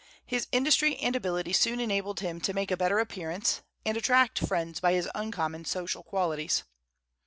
His industry and ability soon enabled him to make a better appearance, and attract friends by his uncommon social qualities.